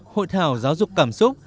hội thảo giáo dục cảm xúc